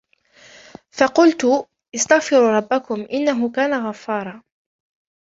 فقلت استغفروا ربكم إنه كان غفارا